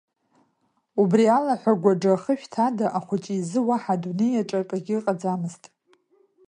Убри алаҳәагәаџа ахышәҭ ада, ахәыҷы изы уаҳа адунеи аҿы акгьы ыҟаӡамызт.